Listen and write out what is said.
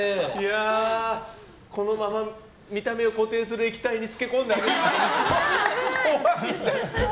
このまま見た目を固定する液体に浸け込んであげるね。